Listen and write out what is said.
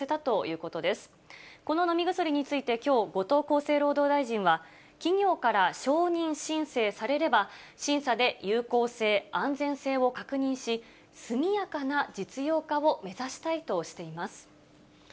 この飲み薬について、きょう、後藤厚生労働大臣は、企業から承認申請されれば、審査で有効性・安全性を確認し、速やかな実用化を目指したいとしています。